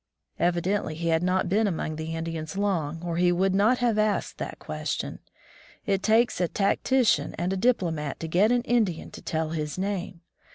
'* Evidently he had not been among the Indians long, or he would not have asked that ques tion. It takes a tactician and a diplomat to get an Indian to tell his name!